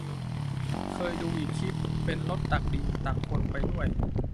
เคยดูอีกคลิป เป็นรถตักดิน ตักคนไปด้วย